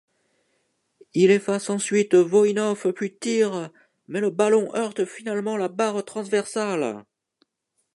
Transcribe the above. Il efface ensuite Voïnov puis tire, mais le ballon heurte finalement la barre transversale.